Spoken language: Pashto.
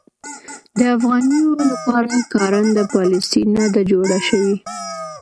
د افغانیو لپاره کارنده پالیسي نه ده جوړه شوې.